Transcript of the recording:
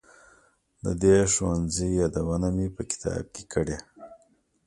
د دې ښوونځي یادونه مې په کتاب کې کړې.